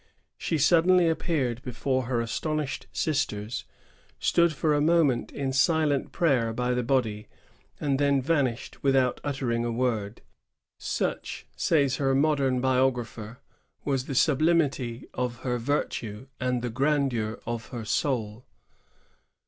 She suddenly appeared before her astonished sisters, stood for a moment in silent prayer by the body, and then vanished without uttering a word. "Such," says her modem biogra pher, "wa« the sublimity of her virtue and the grandeur of her soul."